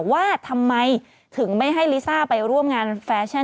ว่าทำไมถึงไม่ให้ลิซ่าไปร่วมงานแฟชั่น